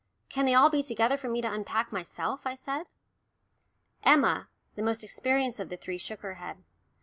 "Can they be all together for me to unpack myself?" I said. Emma, the most experienced of the three, shook her head.